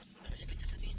bagaimana cak semin